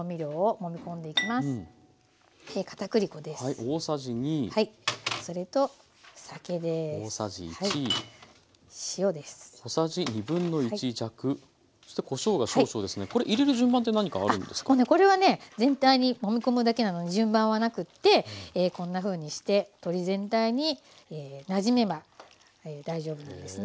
もうねこれはね全体にもみ込むだけなので順番はなくてこんなふうにして鶏全体になじめば大丈夫なんですね。